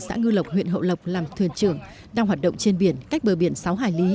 xã ngư lộc huyện hậu lộc làm thuyền trưởng đang hoạt động trên biển cách bờ biển sáu hải lý